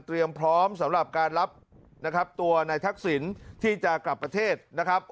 พร้อมสำหรับการรับนะครับตัวนายทักษิณที่จะกลับประเทศนะครับ